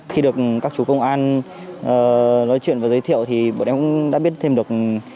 khi được các chú công an nói chuyện và giới thiệu thì bọn em cũng đã biết thêm được